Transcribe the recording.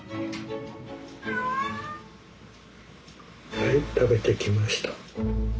はい食べてきました。